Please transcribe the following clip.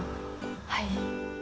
はい。